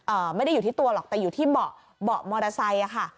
ไม่ได้อยู่ที่ตัวหรอกแต่อยู่ที่เบาะเบาะมอเตอร์ไซค์อ่ะค่ะ